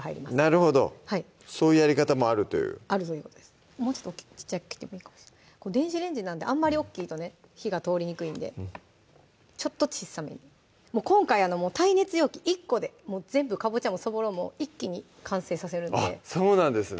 なるほどそういうやり方もあるというもうちょっと小っちゃく切ってもいいかもしれない電子レンジなんであんまり大っきいとね火が通りにくいんでちょっと小さめにもう今回耐熱容器１個で全部かぼちゃもそぼろも一気に完成させるんであっそうなんですね